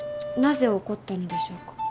なぜ怒ったのでしょうか。